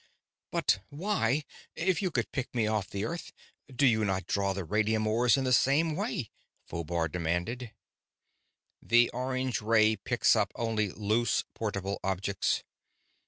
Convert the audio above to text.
"But why, if you could pick me off the Earth, do you not draw the radium ores in the same way?" Phobar demanded. "The orange ray picks up only loose, portable objects.